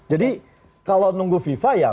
jadi kalau nunggu fifa ya